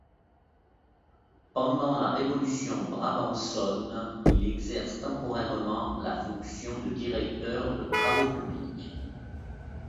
Pendant la Révolution brabançonne, il exerce temporairement la fonction de directeur de travaux publics.